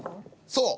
そう。